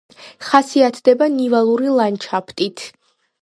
ხასიათდება ნივალური ლანდშაფტით.